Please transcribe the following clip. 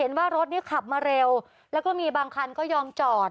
ว่ารถเนี่ยขับมาเร็วแล้วก็มีบางคันก็ยอมจอด